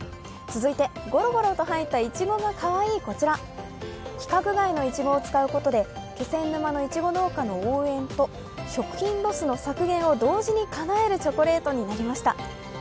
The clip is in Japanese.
続いてゴロゴロと入ったいちごがかわいいこちら、規格外のいちごを使うことで気仙沼のいちご農家の応援と食品ロスの削減を同時にかなえるチョコレートになりました。